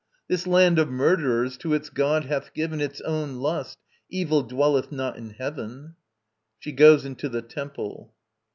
This land of murderers to its god hath given Its own lust; evil dwelleth not in heaven. [SHE GOES INTO THE TEMPLE.